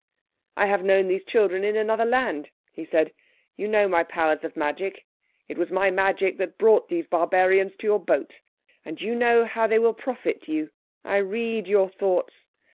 "I have known these children in another land," he said. "You know my powers of magic. It was my magic that brought these barbarians to your boat. And you know how they will profit you. I read your thoughts.